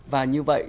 và như vậy